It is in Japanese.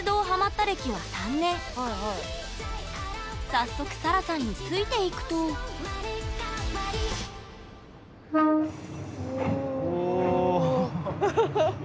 早速さらさんについていくとハハハ！